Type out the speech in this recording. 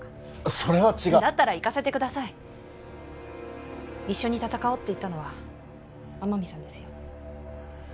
それは違うだったら行かせてください一緒に戦おうって言ったのは天海さんですよ